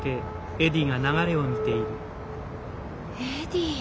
エディ。